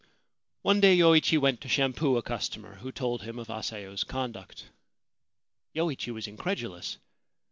One day Yoichi went to shampoo a customer, who told him of Asayo's conduct. Yoichi was incredulous.